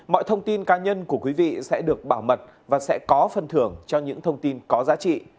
mọi thông tin cá nhân của quý vị sẽ được bảo mật và sẽ có phần thưởng cho những thông tin có giá trị